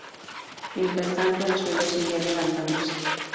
Mientras tanto el suelo seguía levantándose.